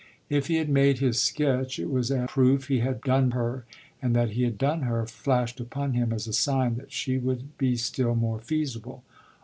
If he had made his sketch it was a proof he had done her, and that he had done her flashed upon him as a sign that she would be still more feasible.